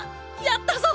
やったぞ！